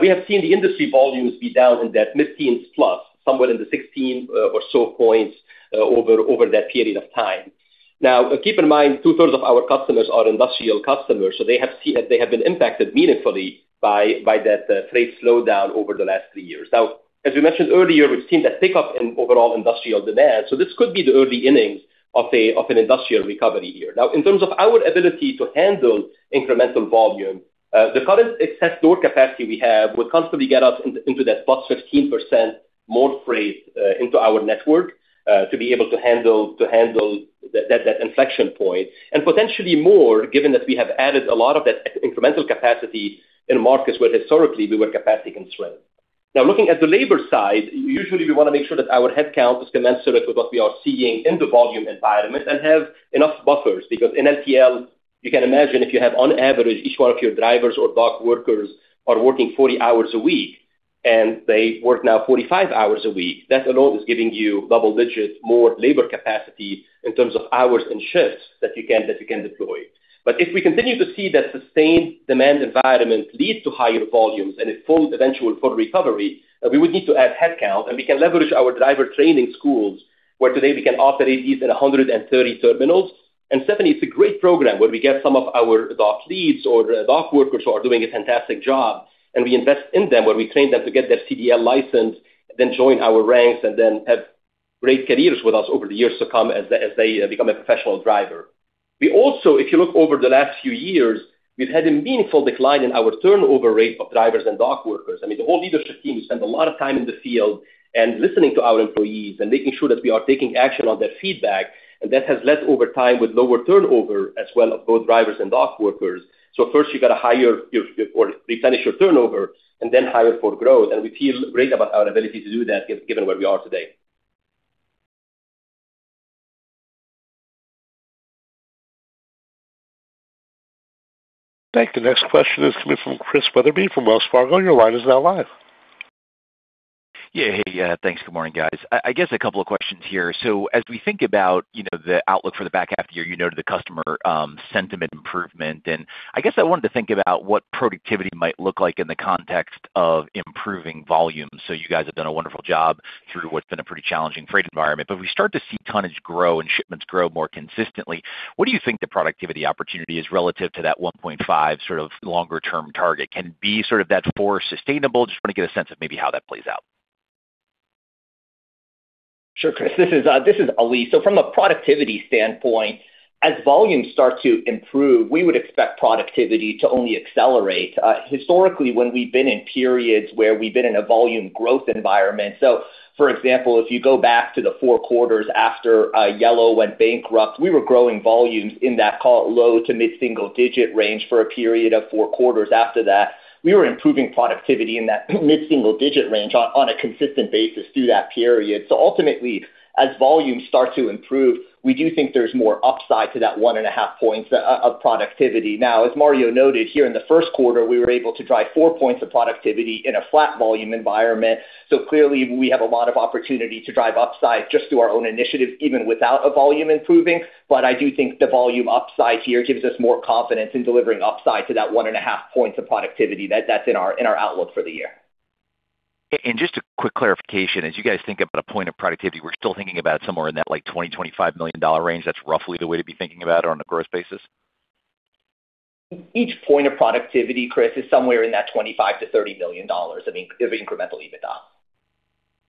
Speaker 2: we have seen the industry volumes be down in that mid-teens plus, somewhere in the 16 or so points, over that period of time. Keep in mind, two-thirds of our customers are industrial customers. They have been impacted meaningfully by that freight slowdown over the last three years. As we mentioned earlier, we've seen a pickup in overall industrial demand. This could be the early innings of an industrial recovery year. Now, in terms of our ability to handle incremental volume, the current excess door capacity we have would comfortably get us into that +15% more freight into our network to be able to handle that inflection point, and potentially more, given that we have added a lot of that incremental capacity in markets where historically we were capacity constrained. Now, looking at the labor side, usually we want to make sure that our headcount is commensurate with what we are seeing in the volume environment and have enough buffers because in LTL, you can imagine if you have on average, each one of your drivers or dock workers are working 40 hours a week, and they work now 45 hours a week. That alone is giving you double-digits more labor capacity in terms of hours and shifts that you can, that you can deploy. If we continue to see that sustained demand environment lead to higher volumes and a full eventual full recovery, we would need to add headcount, and we can leverage our driver training schools, where today we can operate these at 130 terminals. Stephanie, it's a great program where we get some of our dock leads or dock workers who are doing a fantastic job, and we invest in them, where we train them to get their CDL license, then join our ranks and then have Great careers with us over the years to come as they become a professional driver. We also, if you look over the last few years, we've had a meaningful decline in our turnover rate of drivers and dock workers. I mean, the whole leadership team, we spend a lot of time in the field and listening to our employees and making sure that we are taking action on their feedback. And that has led over time with lower turnover as well of both drivers and dock workers. First you got to hire your or replenish your turnover and then hire for growth. We feel great about our ability to do that given where we are today.
Speaker 1: Thank you. The next question is coming from Chris Wetherbee from Wells Fargo. Your line is now live.
Speaker 12: Hey. Thanks. Good morning, guys. I guess a couple of questions here. As we think about, you know, the outlook for the back half of the year, you noted the customer sentiment improvement. I guess I wanted to think about what productivity might look like in the context of improving volumes. You guys have done a wonderful job through what's been a pretty challenging freight environment. We start to see tonnage grow and shipments grow more consistently. What do you think the productivity opportunity is relative to that 1.5 sort of longer-term target? Can it be sort of that more sustainable? Just want to get a sense of maybe how that plays out.
Speaker 4: Sure, Chris. This is Ali. From a productivity standpoint, as volumes start to improve, we would expect productivity to only accelerate. Historically, when we've been in periods where we've been in a volume growth environment. For example, if you go back to the four quarters after Yellow went bankrupt, we were growing volumes in that call it low to mid-single-digit range for a period of four quarters after that. We were improving productivity in that mid-single-digit range on a consistent basis through that period. Ultimately, as volumes start to improve, we do think there's more upside to that 1.5 points of productivity. Now, as Mario noted, here in the first quarter, we were able to drive 4 points of productivity in a flat volume environment. Clearly, we have a lot of opportunity to drive upside just through our own initiatives, even without a volume improving. I do think the volume upside here gives us more confidence in delivering upside to that one and a half points of productivity that's in our outlook for the year.
Speaker 12: Just a quick clarification. As you guys think about a point of productivity, we're still thinking about it somewhere in that, like, $20 million-$25 million range. That's roughly the way to be thinking about it on a growth basis?
Speaker 4: Each point of productivity, Chris, is somewhere in that $25 million-$30 million. I mean, of incremental EBITDA.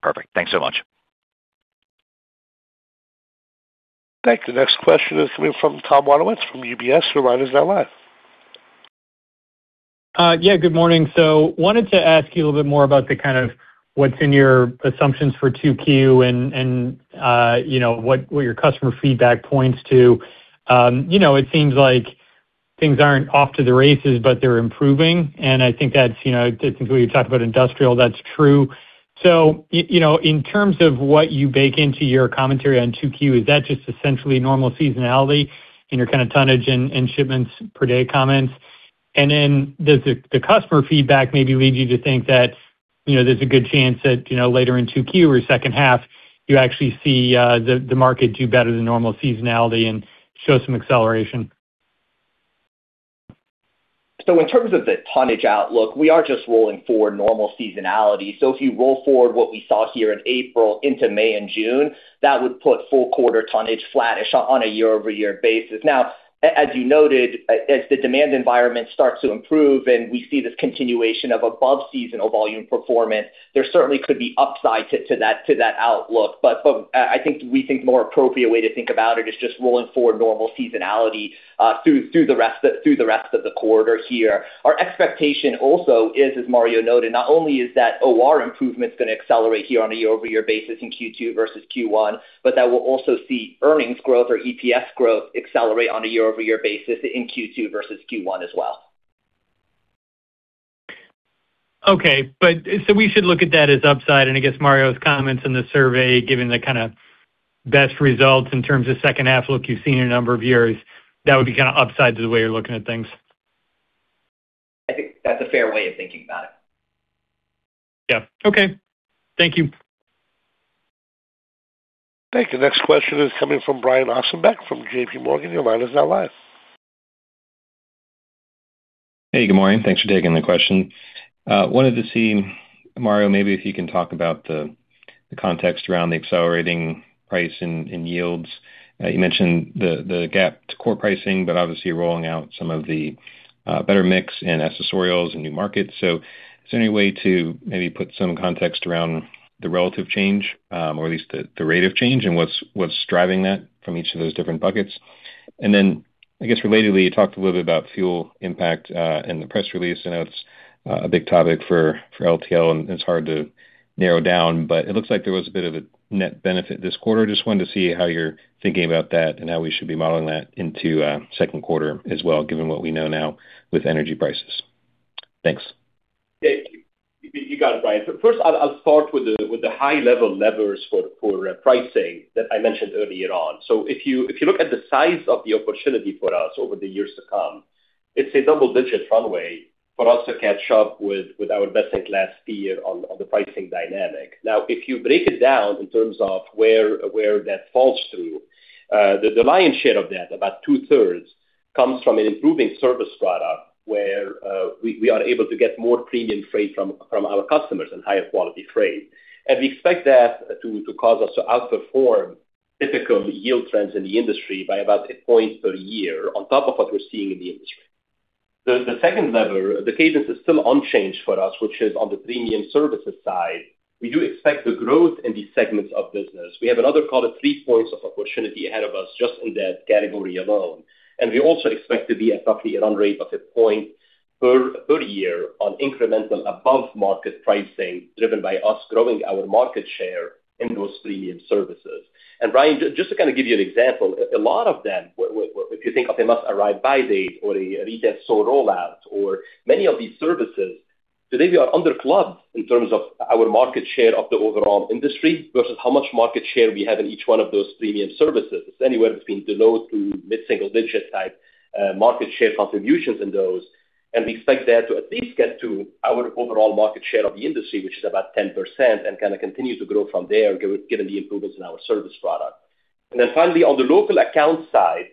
Speaker 12: Perfect. Thanks so much.
Speaker 1: Thank you. The next question is coming from Thomas Wadewitz from UBS. Your line is now live.
Speaker 13: Yeah, good morning. Wanted to ask you a little bit more about the kind of what's in your assumptions for 2Q and, you know, what your customer feedback points to. You know, it seems like things aren't off to the races, but they're improving, and I think that's, you know, I think we talked about industrial, that's true. You know, in terms of what you bake into your commentary on 2Q, is that just essentially normal seasonality in your kind of tonnage and shipments per day comments? Does the customer feedback maybe lead you to think that, you know, there's a good chance that, you know, later in 2Q or second half, you actually see the market do better than normal seasonality and show some acceleration?
Speaker 4: In terms of the tonnage outlook, we are just rolling forward normal seasonality. If you roll forward what we saw here in April into May and June, that would put full quarter tonnage flattish on a year-over-year basis. As you noted, as the demand environment starts to improve and we see this continuation of above seasonal volume performance, there certainly could be upside to that outlook. I think we think more appropriate way to think about it is just rolling forward normal seasonality through the rest of the quarter here. Our expectation also is, as Mario noted, not only is that OR improvement is going to accelerate here on a year-over-year basis in Q2 versus Q1, but that we'll also see earnings growth or EPS growth accelerate on a year-over-year basis in Q2 versus Q1 as well.
Speaker 13: Okay. We should look at that as upside, and I guess Mario's comments in the survey, given the kind of best results in terms of second half look you've seen in a number of years, that would be kind of upside to the way you're looking at things.
Speaker 4: I think that's a fair way of thinking about it.
Speaker 13: Yeah. Okay. Thank you.
Speaker 1: Thank you. The next question is coming from Brian Ossenbeck from JPMorgan. Your line is now live.
Speaker 14: Hey, good morning. Thanks for taking the question. Wanted to see, Mario, maybe if you can talk about the context around the accelerating price in yields. You mentioned the gap to core pricing, but obviously rolling out some of the better mix in accessorials and new markets. Is there any way to maybe put some context around the relative change, or at least the rate of change and what's driving that from each of those different buckets? I guess relatedly, you talked a little bit about fuel impact in the press release. I know it's a big topic for LTL, and it's hard to narrow down, but it looks like there was a bit of a net benefit this quarter. Just wanted to see how you're thinking about that and how we should be modeling that into second quarter as well, given what we know now with energy prices. Thanks.
Speaker 2: You got it, Brian. First I'll start with the high level levers for pricing that I mentioned earlier on. If you look at the size of the opportunity for us over the years to come, it's a double-digit runway for us to catch up with our best-in-class peer on the pricing dynamic. Now, if you break it down in terms of where that falls through, the lion's share of that, about two-thirds, comes from an improving service product, where we are able to get more premium freight from our customers and higher quality freight. We expect that to cause us to outperform typical yield trends in the industry by about 8 points per year on top of what we're seeing in the industry. The second lever, the cadence is still unchanged for us, which is on the premium services side. We do expect the growth in these segments of business. We have another call it 3 points of opportunity ahead of us just in that category alone. We also expect to be at roughly around rate of 1 point per year on incremental above market pricing, driven by us growing our market share in those premium services. Brian, just to kind of give you an example, a lot of them, if you think of a Must Arrive by Date or a return store rollout, or many of these services, today we are under clubbed in terms of our market share of the overall industry versus how much market share we have in each one of those premium services. It's anywhere between the low to mid-single-digit type market share contributions in those. We expect that to at least get to our overall market share of the industry, which is about 10%, and kind of continue to grow from there given the improvements in our service product. Finally, on the local account side,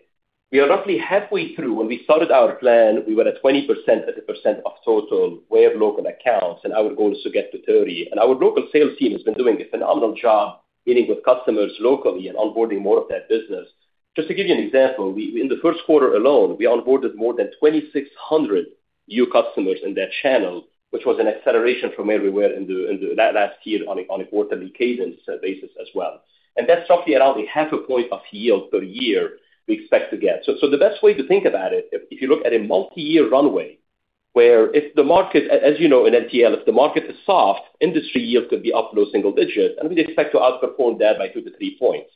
Speaker 2: we are roughly halfway through. When we started our plan, we were at 20%, at a percent of total way of local accounts, and our goal is to get to 30%. Our local sales team has been doing a phenomenal job meeting with customers locally and onboarding more of that business. Just to give you an example, in the first quarter alone, we onboarded more than 2,600 new customers in that channel, which was an acceleration from where we were last year on a quarterly cadence basis as well. That's roughly around a half a point of yield per year we expect to get. The best way to think about it, if you look at a multi-year runway, where if the market, as you know, in LTL, if the market is soft, industry yield could be up low single digits, we expect to outperform that by 2-3 points.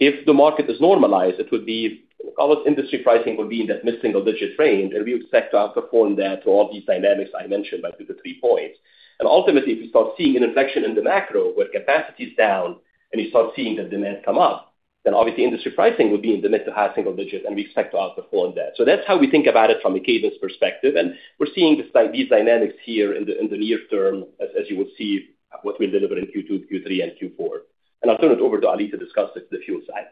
Speaker 2: If the market is normalized, it would be, call it industry pricing would be in that mid-single-digit range. We expect to outperform that to all these dynamics I mentioned by 2-3 points. Ultimately, if you start seeing an inflection in the macro where capacity is down and you start seeing the demand come up, then obviously industry pricing would be in the mid-to-high single digits. We expect to outperform that. That's how we think about it from a cadence perspective, and we're seeing these dynamics here in the near term as you would see what we deliver in Q2, Q3, and Q4. I'll turn it over to Ali to discuss the fuel side.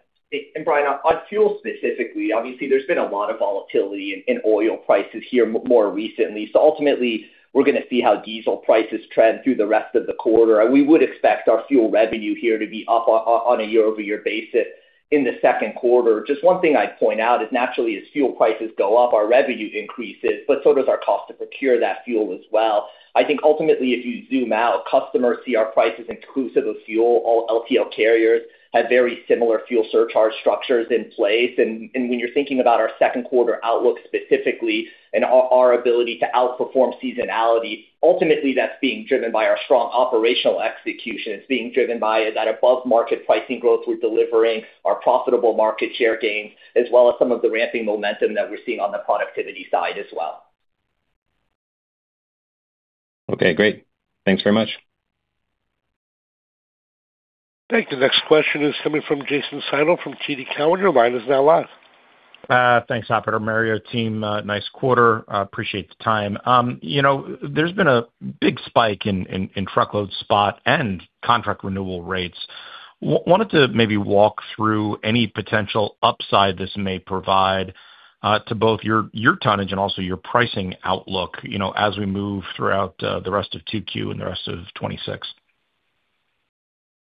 Speaker 4: Brian, on fuel specifically, obviously there's been a lot of volatility in oil prices here more recently. Ultimately, we're gonna see how diesel prices trend through the rest of the quarter. We would expect our fuel revenue here to be up on a year-over-year basis in the second quarter. Just one thing I'd point out is naturally, as fuel prices go up, our revenue increases, but so does our cost to procure that fuel as well. I think ultimately, if you zoom out, customers see our prices inclusive of fuel. All LTL carriers have very similar fuel surcharge structures in place. When you're thinking about our second quarter outlook specifically and our ability to outperform seasonality, ultimately that's being driven by our strong operational execution. It's being driven by that above market pricing growth we're delivering, our profitable market share gains, as well as some of the ramping momentum that we're seeing on the productivity side as well.
Speaker 14: Okay, great. Thanks very much.
Speaker 1: Thank you. The next question is coming from Jason Seidl from TD Cowen. Your line is now live.
Speaker 15: Thanks, operator. Mario team, nice quarter. Appreciate the time. You know, there's been a big spike in truckload spot and contract renewal rates. Wanted to maybe walk through any potential upside this may provide to both your tonnage and also your pricing outlook, you know, as we move throughout the rest of 2Q and the rest of 2026.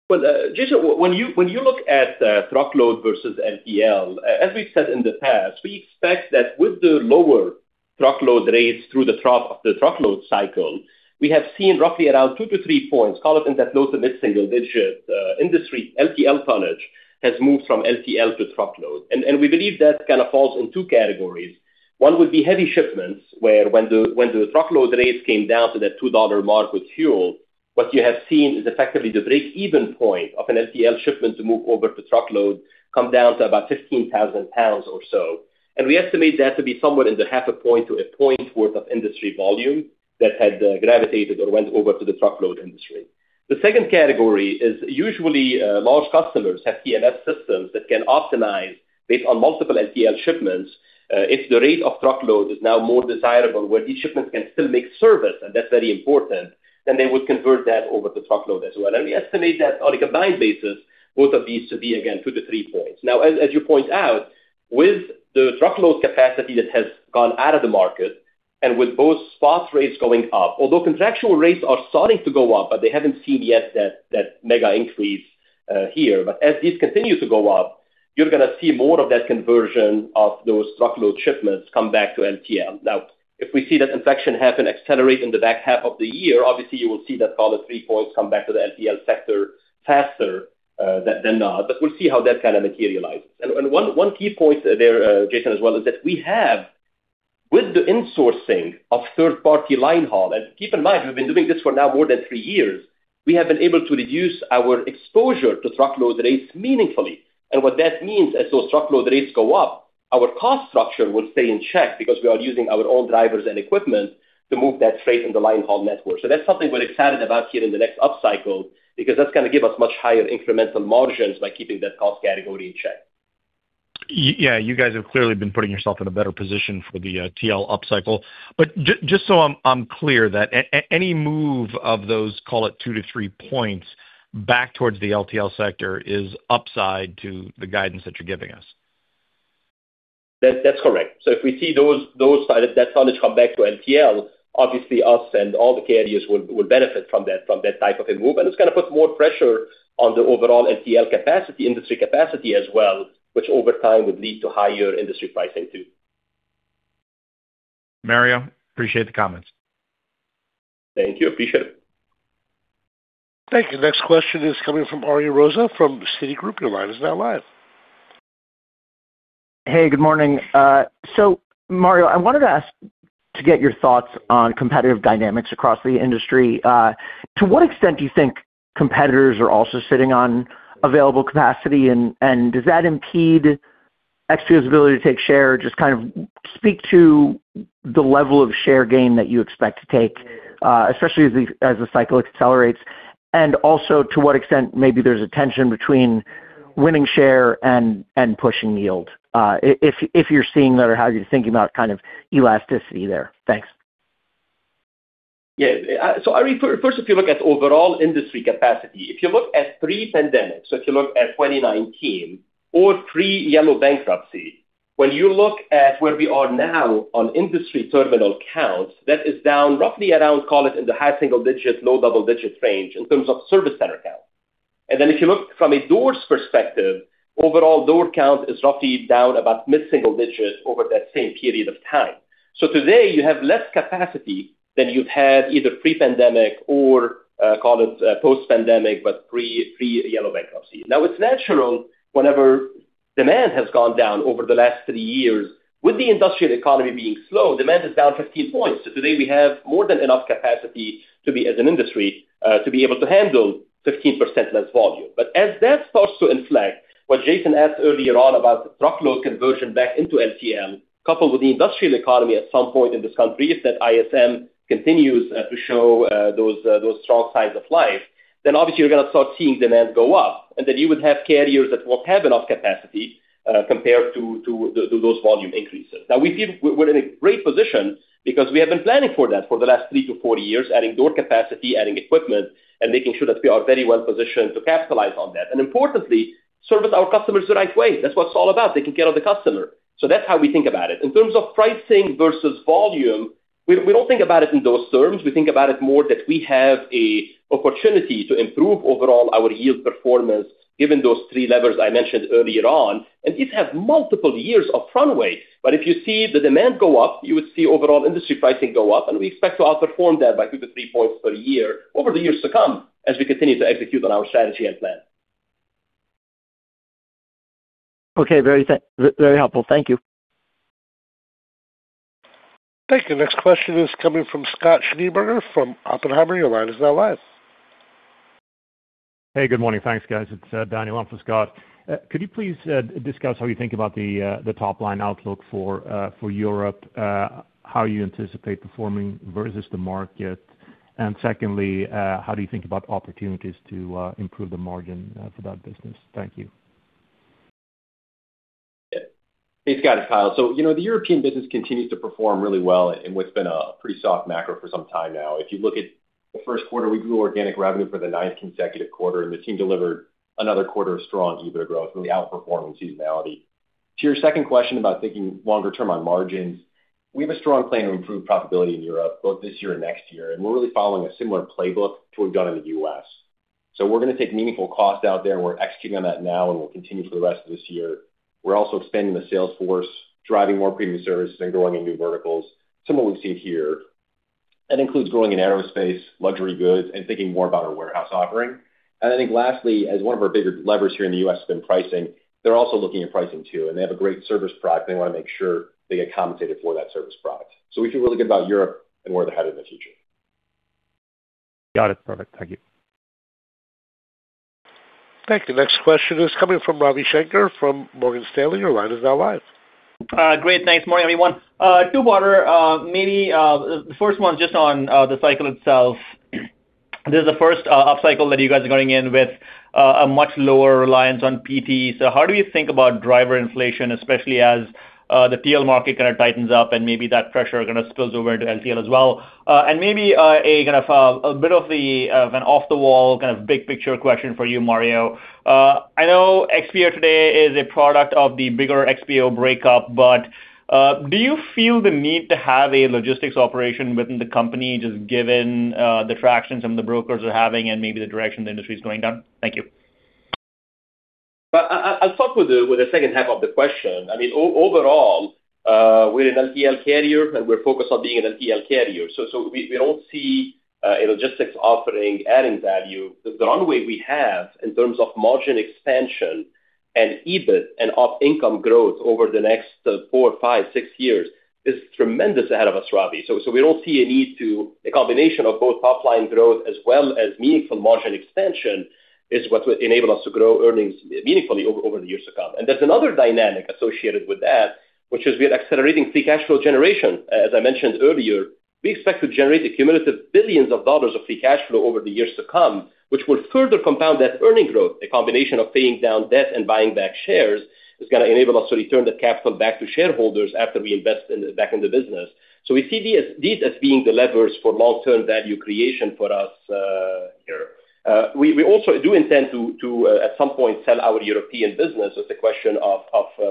Speaker 2: Well, Jason, when you look at truckload versus LTL, as we've said in the past, we expect that with the lower truckload rates through the trough of the truckload cycle, we have seen roughly around 2 to 3 points, call it in that low to mid-single digit, industry LTL tonnage has moved from LTL to truckload. We believe that kind of falls in two categories. One would be heavy shipments, where when the truckload rates came down to that $2 mark with fuel, what you have seen is effectively the break-even point of an LTL shipment to move over to truckload come down to about 15,000 pounds or so. We estimate that to be somewhere in the half a point to a point worth of industry volume that had gravitated or went over to the truckload industry. The second category is usually, large customers have TMS systems that can optimize based on multiple LTL shipments. If the rate of truckload is now more desirable, where these shipments can still make service, and that's very important, then they would convert that over to truckload as well. We estimate that on a combined basis, both of these to be, again, 2-3 points. Now, as you point out, with the truckload capacity that has gone out of the market and with both spot rates going up, although contractual rates are starting to go up, but they haven't seen yet that mega increase here. As these continue to go up, you're gonna see more of that conversion of those truckload shipments come back to LTL. If we see that inflection happen accelerate in the back half of the year, obviously you will see that call it 3 points come back to the LTL sector faster than not. We'll see how that kind of materializes. One key point there, Jason, as well, is that we have, with the insourcing of third-party line haul, and keep in mind, we've been doing this for now more than three years, we have been able to reduce our exposure to truckload rates meaningfully. What that means, as those truckload rates go up, our cost structure will stay in check because we are using our own drivers and equipment to move that freight in the line haul network. That's something we're excited about here in the next upcycle because that's gonna give us much higher incremental margins by keeping that cost category in check.
Speaker 15: Yeah, you guys have clearly been putting yourself in a better position for the TL upcycle. Just so I'm clear that any move of those, call it 2-3 points back towards the LTL sector is upside to the guidance that you're giving us.
Speaker 2: That's correct. If we see those, that tonnage come back to LTL, obviously us and all the carriers will benefit from that type of a move. It's gonna put more pressure on the overall LTL capacity, industry capacity as well, which over time would lead to higher industry pricing too.
Speaker 15: Mario, appreciate the comments.
Speaker 2: Thank you. Appreciate it.
Speaker 1: Thank you. Next question is coming from Ariel Rosa from Citigroup. Your line is now live.
Speaker 16: Hey, good morning. Mario, I wanted to ask to get your thoughts on competitive dynamics across the industry. To what extent do you think competitors are also sitting on available capacity and does that impede XPO ability to take share? Just kind of speak to the level of share gain that you expect to take, especially as the cycle accelerates, and also to what extent maybe there's a tension between winning share and pushing yield, if you're seeing that or how you're thinking about kind of elasticity there. Thanks.
Speaker 2: Yeah. Ariel Rosa, first, if you look at overall industry capacity, if you look at pre-pandemic, if you look at 2019 or pre-Yellow bankruptcy, when you look at where we are now on industry terminal count, that is down roughly around, call it in the high single digits, low double digits range in terms of service center count. If you look from a doors perspective, overall door count is roughly down about mid-single digits over that same period of time. Today you have less capacity than you've had either pre-pandemic or, call it post-pandemic, but pre-Yellow bankruptcy. Now it's natural whenever demand has gone down over the last three years. With the industrial economy being slow, demand is down 15 points. Today we have more than enough capacity to be as an industry, to be able to handle 15% less volume. As that starts to inflect, what Jason asked earlier on about truckload conversion back into LTL, coupled with the industrial economy at some point in this country, if that ISM continues to show those strong signs of life, obviously you're going to start seeing demand go up. You would have carriers that won't have enough capacity compared to those volume increases. We feel we're in a great position because we have been planning for that for the last three to four years, adding door capacity, adding equipment, and making sure that we are very well positioned to capitalize on that. Importantly, service our customers the right way. That's what it's all about. Taking care of the customer. That's how we think about it. In terms of pricing versus volume, we don't think about it in those terms. We think about it more that we have an opportunity to improve overall our yield performance given those three levers I mentioned earlier on. These have multiple years of runway. If you see the demand go up, you would see overall industry pricing go up, and we expect to outperform that by two to three points per year over the years to come as we continue to execute on our strategy and plan.
Speaker 16: Okay. Very helpful. Thank you.
Speaker 1: Thank you. Next question is coming from Scott Schneeberger from Oppenheimer. Your line is now live.
Speaker 17: Hey, good morning. Thanks, guys. It's Daniel on for Scott. Could you please discuss how you think about the top-line outlook for Europe, how you anticipate performing versus the market? Secondly, how do you think about opportunities to improve the margin for that business? Thank you.
Speaker 3: Thanks, guys. Kyle. You know, the European business continues to perform really well in what's been a pretty soft macro for some time now. If you look at the first quarter, we grew organic revenue for the 9th consecutive quarter, and the team delivered another quarter of strong EBITDA growth, really outperforming seasonality. To your second question about thinking longer term on margins, we have a strong plan to improve profitability in Europe both this year and next year, and we're really following a similar playbook to what we've done in the U.S. We're gonna take meaningful costs out there, and we're executing on that now and will continue for the rest of this year. We're also expanding the sales force, driving more premium services and growing in new verticals, similar to what we've seen here. That includes growing in aerospace, luxury goods, and thinking more about our warehouse offering. I think lastly, as one of our bigger levers here in the U.S. has been pricing. They're also looking at pricing too, and they have a great service product. They want to make sure they get compensated for that service product. We feel really good about Europe and where they're headed in the future.
Speaker 17: Got it. Perfect. Thank you.
Speaker 1: Thank you. Next question is coming from Ravi Shanker from Morgan Stanley. Your line is now live.
Speaker 18: Great. Thanks, morning, everyone. Two parter. Maybe the first one just on the cycle itself. This is the first upcycle that you guys are going in with a much lower reliance on PT. How do you think about driver inflation, especially as the TL market kind of tightens up and maybe that pressure kind of spills over into LTL as well? Maybe a kind of a bit of the of an off-the-wall kind of big picture question for you, Mario. I know XPO today is a product of the bigger XPO breakup, but do you feel the need to have a logistics operation within the company, just given the traction some of the brokers are having and maybe the direction the industry is going down? Thank you.
Speaker 2: I'll start with the second half of the question. I mean, overall, we're an LTL carrier, and we're focused on being an LTL carrier. We don't see a logistics offering adding value. The runway we have in terms of margin expansion and EBIT and op income growth over the next four, five, six years is tremendous ahead of us, Ravi. A combination of both top-line growth as well as meaningful margin expansion is what will enable us to grow earnings meaningfully over the years to come. There's another dynamic associated with that, which is we are accelerating free cash flow generation. As I mentioned earlier, we expect to generate a cumulative billions of dollars free cash flow over the years to come, which will further compound that earning growth. A combination of paying down debt and buying back shares is going to enable us to return the capital back to shareholders after we invest in, back in the business. We see these as being the levers for long-term value creation for us here. We also do intend to at some point sell our European business. It's a question of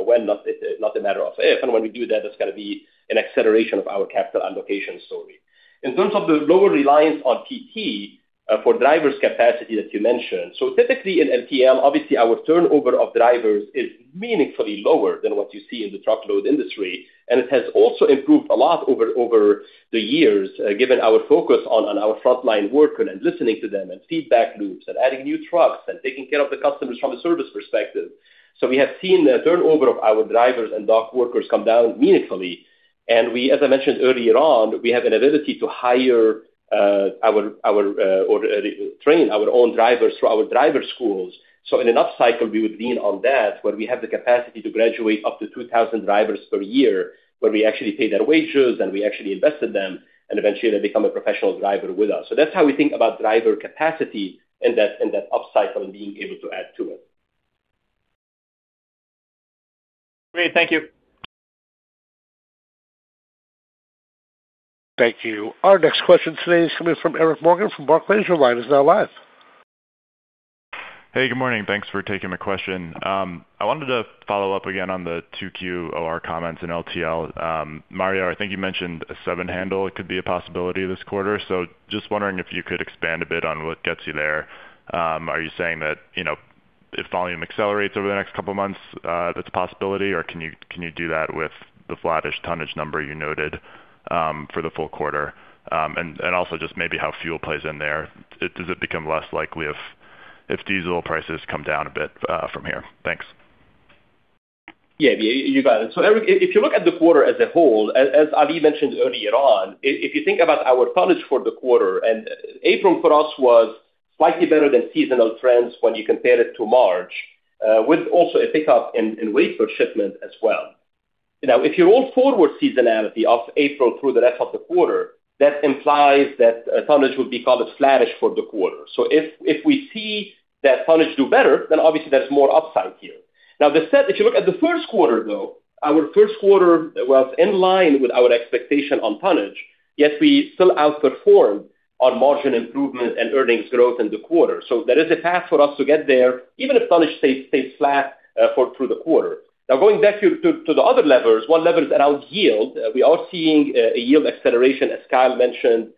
Speaker 2: when, not a, not a matter of if. When we do that, it's gonna be an acceleration of our capital allocation story. In terms of the lower reliance on TT for drivers capacity that you mentioned. Typically in LTL, obviously our turnover of drivers is meaningfully lower than what you see in the truckload industry, and it has also improved a lot over the years, given our focus on our frontline worker and listening to them and feedback loops and adding new trucks and taking care of the customers from a service perspective. We have seen the turnover of our drivers and dock workers come down meaningfully. We, as I mentioned earlier on, we have an ability to hire or train our own drivers through our driver schools. In an up cycle, we would lean on that, where we have the capacity to graduate up to 2,000 drivers per year, where we actually pay their wages, and we actually invest in them, and eventually they become a professional driver with us. That's how we think about driver capacity and that up cycle and being able to add to it.
Speaker 18: Great. Thank you.
Speaker 1: Thank you. Our next question today is coming from Eric Morgan from Barclays. Your line is now live.
Speaker 19: Hey, good morning. Thanks for taking my question. I wanted to follow up again on the 2Q OR comments in LTL. Mario, I think you mentioned a seven handle could be a possibility this quarter. Just wondering if you could expand a bit on what gets you there. Are you saying that, you know, if volume accelerates over the next couple of months, that's a possibility, or can you do that with the flattish tonnage number you noted for the full quarter? And also just maybe how fuel plays in there. Does it become less likely if diesel prices come down a bit from here? Thanks.
Speaker 2: Yeah. You got it. Eric, if you look at the quarter as a whole, as Ali mentioned earlier on, if you think about our tonnage for the quarter, and April for us was slightly better than seasonal trends when you compare it to March, with also a pickup in weight per shipment as well. If you roll forward seasonality of April through the rest of the quarter, that implies that tonnage would be called flattish for the quarter. If we see that tonnage do better, then obviously there's more upside here. If you look at the first quarter, though, our first quarter was in line with our expectation on tonnage, yet we still outperformed on margin improvement and earnings growth in the quarter. There is a path for us to get there, even if tonnage stays flat through the quarter. Going back to the other levers. One lever is around yield. We are seeing a yield acceleration, as Kyle mentioned,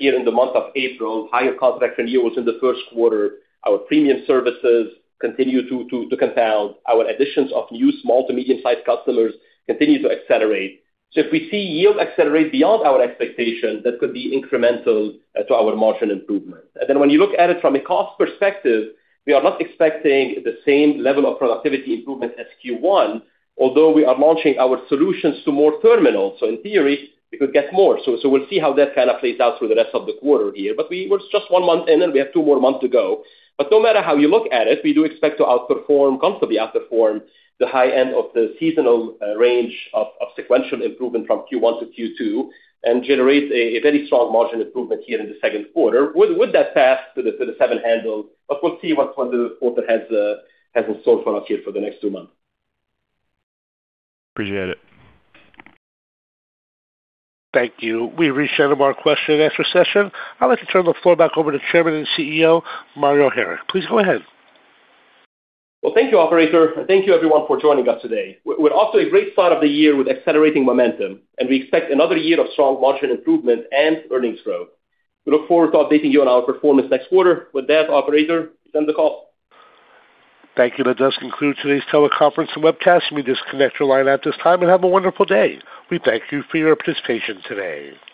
Speaker 2: here in the month of April. Higher contract renewals in the first quarter. Our premium services continue to compound. Our additions of new small to medium-sized customers continue to accelerate. If we see yield accelerate beyond our expectation, that could be incremental to our margin improvement. When you look at it from a cost perspective, we are not expecting the same level of productivity improvement as Q1, although we are launching our solutions to more terminals, so in theory, we could get more. We'll see how that kind of plays out through the rest of the quarter here. We-- it's just one month in, and we have two more months to go. No matter how you look at it, we do expect to outperform, comfortably outperform the high end of the seasonal range of sequential improvement from Q1 to Q2 and generate a very strong margin improvement here in the second quarter. With, with that path to the, to the seven handle, we'll see what the quarter has in store for us here for the next two months.
Speaker 19: Appreciate it.
Speaker 1: Thank you. We've reached the end of our question and answer session. I'd like to turn the floor back over to Chairman and CEO, Mario Harik. Please go ahead.
Speaker 2: Well, thank you, operator. Thank you everyone for joining us today. We're off to a great start of the year with accelerating momentum. We expect another year of strong margin improvement and earnings growth. We look forward to updating you on our performance next quarter. With that, operator, you can end the call.
Speaker 1: Thank you. That does conclude today's teleconference and webcast. You may disconnect your line at this time, and have a wonderful day. We thank you for your participation today.